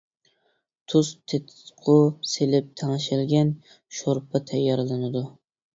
تۇز، تېتىتقۇ سېلىپ تەڭشەلگەن شورپا تەييارلىنىدۇ.